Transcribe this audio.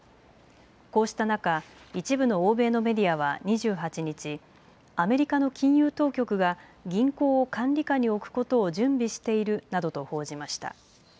こうした中、一部の欧米のメディアは２８日、アメリカの金融当局が銀行を管理下に置くことを準備しているなどと報じました。